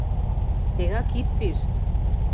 — Тегак ит пиж!..